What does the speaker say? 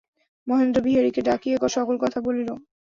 মহেন্দ্র বিহারীকে ডাকিয়া সকল কথা বলিল।